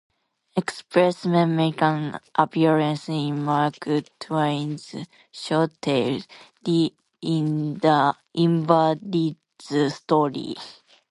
Expressmen make an appearance in Mark Twain's short tale, The Invalid's Story.